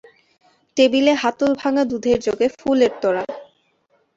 টেবিলে হাতলভাঙা দুধের জগে ফুলের তোড়া।